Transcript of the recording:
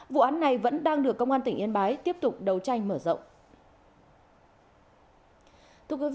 vụ án này vẫn đang được công an tỉnh yên bái tiếp tục đấu tranh mở rộng